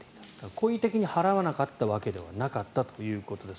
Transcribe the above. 故意的に払わなかったわけではなかったということです。